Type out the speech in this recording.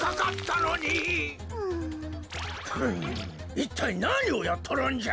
いったいなにをやっとるんじゃ！